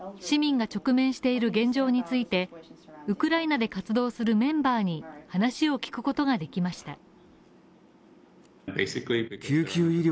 市民が直面している現状についてウクライナで活動するメンバーに話を聞くことができました。